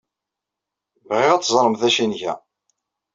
Bɣiɣ ad teẓremt d acu ay nga.